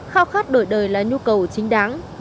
khao khát đổi đời là nhu cầu chính đáng